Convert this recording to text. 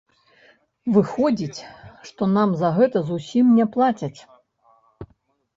Выходзіць, што нам за гэта зусім не плацяць.